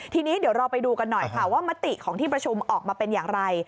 ทีนี้เดี๋ยวเราไปดูกันหน่อยค่ะว่ามติของที่ประชุมออกมาเป็นอย่างไร